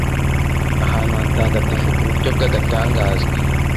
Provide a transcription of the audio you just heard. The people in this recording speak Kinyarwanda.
ahantu hatagatifu ku buryo bw'agatangaza